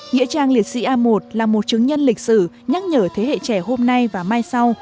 nghĩa trang liệt sĩ a một là một chứng nhân lịch sử nhắc nhở thế hệ trẻ hôm nay và mai sau